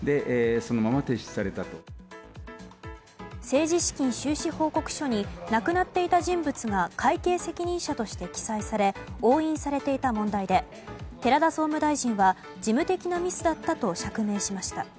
政治資金収支報告書に亡くなっていた人物が会計責任者として記載され押印されていた問題で寺田総務大臣は事務的なミスだったと釈明しました。